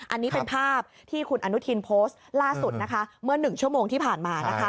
อันนี้เป็นภาพที่คุณอนุทินโพสต์ล่าสุดนะคะเมื่อ๑ชั่วโมงที่ผ่านมานะคะ